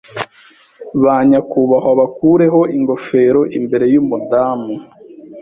Ba nyakubahwa bakureho ingofero imbere yumudamu.